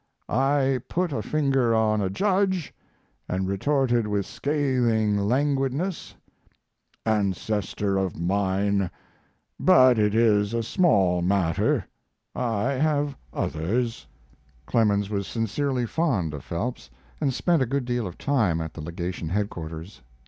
I put a finger on a judge and retorted with scathing languidness: "Ancestor of mine. But it is a small matter. I have others." Clemens was sincerely fond of Phelps and spent a good deal of time at the legation headquarters.